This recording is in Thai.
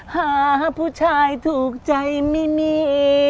หาผู้ชายถูกใจไม่มี